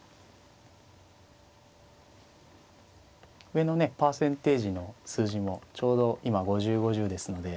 上のねパーセンテージの数字もちょうど今５０５０ですので。